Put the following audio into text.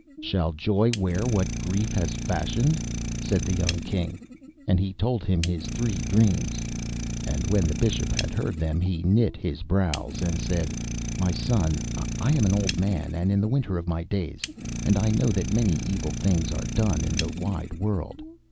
'Shall Joy wear what Grief has fashioned?' said the young King. And he told him his three dreams. And when the Bishop had heard them he knit his brows, and said, 'My son, I am an old man, and in the winter of my days, and I know that many evil things are done in the wide world.